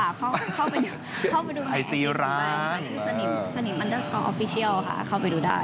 ไปไปเข้าไปดูในไอจีสันิมอันเดอสกอลออฟฟิเชียลค่ะเข้าไปดูได้